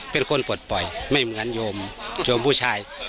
ปลดปล่อยไม่เหมือนโยมโยมผู้ชาย